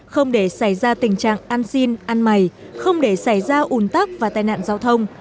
không để xảy ra tình trạng ăn xin ăn mày không để xảy ra ủn tắc và tai nạn giao thông